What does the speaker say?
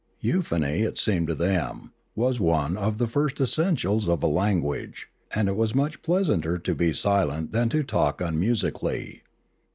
Euphony, it seemed to them, was one of the first essentials of a language; and it was much pleasanter to be silent than to talk unmusically.